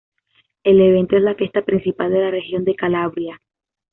El evento es la fiesta principal de la región de Calabria.